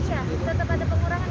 iya tetap ada pengurangan